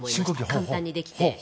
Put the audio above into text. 簡単にできて。